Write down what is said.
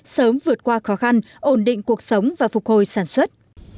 sớm vượt qua khó khăn ổn định cuộc sống và phục hồi sản xuất